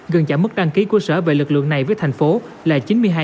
gần chạm mức đăng ký của sở về lực lượng này với thành phố là chín mươi hai